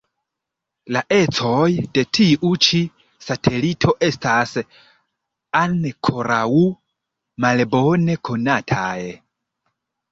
La ecoj de tiu-ĉi satelito estas ankoraŭ malbone konataj.